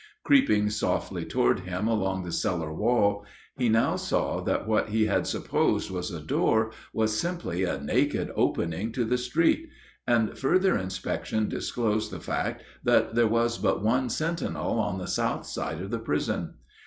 Creeping softly toward him along the cellar wall, he now saw that what he had supposed was a door was simply a naked opening to the street; and further inspection disclosed the fact that there was but one sentinel on the south side of the prison.